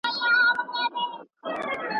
ادبي موضوعات باید په منطقي ډول وڅېړل شي.